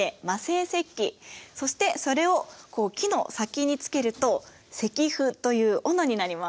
そしてそれをこう木の先につけると石斧というおのになります。